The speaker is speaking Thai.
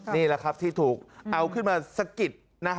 นี่แหละครับที่ถูกเอาขึ้นมาสะกิด